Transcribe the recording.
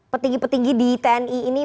petinggi petinggi di tni ini